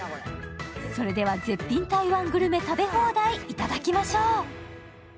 それでは絶品台湾グルメいただきましょう。